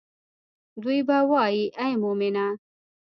دوي به وائي اے مومنه!